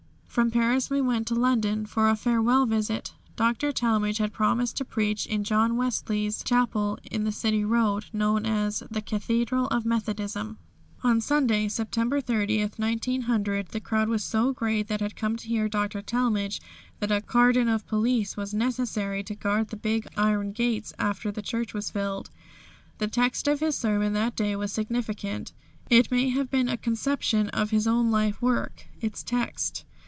From Paris we went to London for a farewell visit. Dr. Talmage had promised to preach in John Wesley's chapel in the City Road, known as "The Cathedral of Methodism." On Sunday, September 30, 1900, the crowd was so great that had come to hear Dr. Talmage that a cordon of police was necessary to guard the big iron gates after the church was filled. The text of his sermon that day was significant. It may have been a conception of his own life work its text.